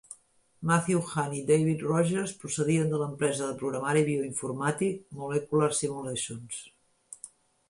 Matthew Hahn i David Rogers procedien de l'empresa de programari bioinformàtic Molecular Simulations.